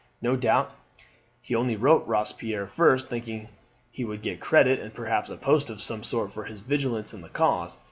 No doubt he only wrote to Robespierre first, thinking he would get credit and perhaps a post of some sort for his vigilance in the cause.